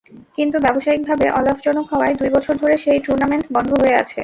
কিন্তু ব্যবসায়িকভাবে অলাভজনক হওয়ায় দুই বছর ধরে সেই টুর্নামেন্ট বন্ধ হয়ে আছে।